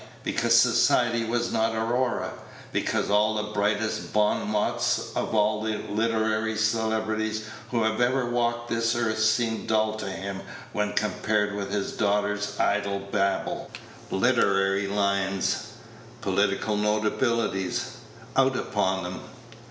Because society was not Aurora. Because all the brightest bon mots of all the literary celebrities who have ever walked this earth seemed dull to him when compared with his daughter's idlest babble. Literary lions! Political notabilities! Out upon them!